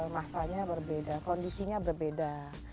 masanya berbeda kondisinya berbeda